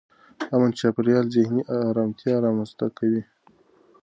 امن چاپېریال ذهني ارامتیا رامنځته کوي.